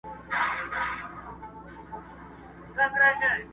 ویل راسه پر لېوه پوښتنه وکه،